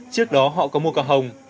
trước đó họ có mua cá hồng